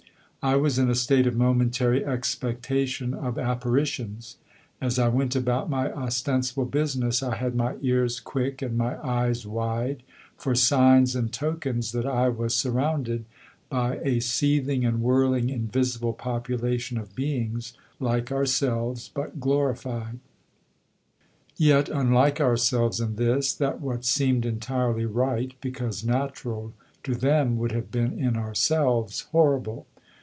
I was in a state of momentary expectation of apparitions; as I went about my ostensible business I had my ears quick and my eyes wide for signs and tokens that I was surrounded by a seething and whirling invisible population of beings, like ourselves, but glorified: yet unlike ourselves in this, that what seemed entirely right, because natural, to them would have been in ourselves horrible.